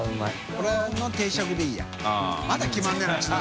これの定食でいいや。